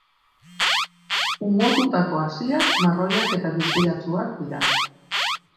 Umotutako haziak marroiak eta distiratsuak dira.